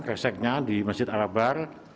kreseknya di masjid al akbar